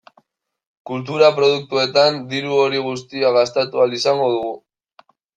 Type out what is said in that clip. Kultura produktuetan diru hori guztia gastatu ahal izango dugu.